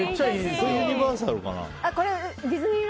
ユニバーサルかな？